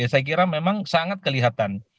saya kira memang sangat kelihatan